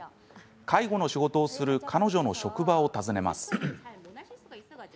介護の仕事をする彼女の職場を訪ねます。